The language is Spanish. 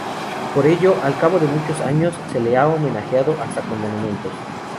Por ello, al cabo de muchos años se le ha homenajeado hasta con monumentos.